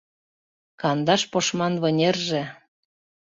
Кандаш пошман вынерже